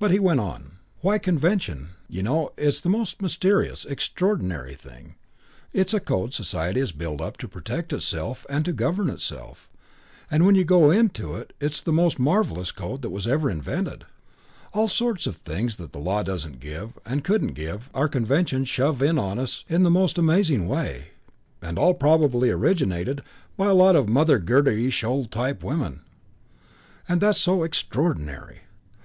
But he went on. "Why, convention, you know, it's the most mysterious, extraordinary thing. It's a code society has built up to protect itself and to govern itself, and when you go into it it's the most marvellous code that ever was invented. All sorts of things that the law doesn't give, and couldn't give, our conventions shove in on us in the most amazing way. And all probably originated by a lot of Mother Grundy ish old women, that's what's so extraordinary.